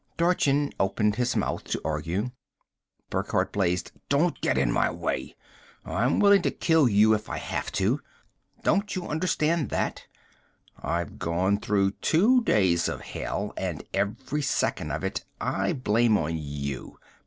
Dorchin opened his mouth to argue. Burckhardt blazed: "Don't get in my way! I'm willing to kill you if I have to. Don't you understand that? I've gone through two days of hell and every second of it I blame on you.